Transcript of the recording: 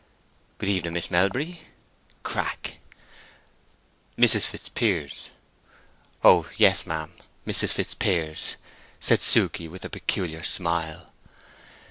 "Good evening, Miss Melbury" (crack). "Mrs. Fitzpiers." "Oh yes, ma'am—Mrs. Fitzpiers," said Suke, with a peculiar smile.